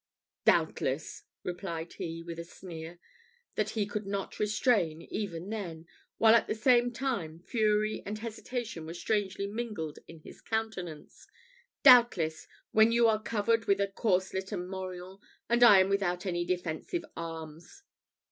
"Doubtless," replied he, with a sneer, that he could not restrain even then, while at the same time fury and hesitation were strangely mingled in his countenance "doubtless, when you are covered with a corslet and morion, and I am without any defensive arms."